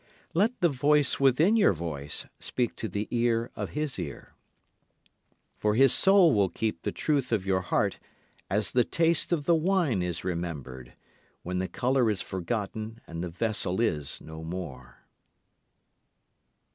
Let the voice within your voice speak to the ear of his ear; For his soul will keep the truth of your heart as the taste of the wine is remembered When the colour is forgotten and the vessel is no more.